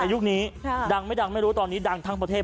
ยุคนี้ดังไม่ดังไม่รู้ตอนนี้ดังทั้งประเทศ